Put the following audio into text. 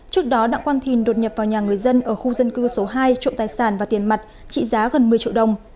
trước đó đặng quang thìn đột nhập vào nhà người dân ở khu dân cư số hai trộm tài sản và tiền mặt trị giá gần một mươi triệu đồng